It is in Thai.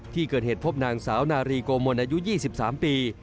ที่เกิดเหตุพบนางสาวนารีโกมลอายุ๒๓ปี